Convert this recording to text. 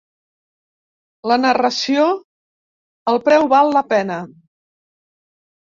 La narració ""...el preu val la pena.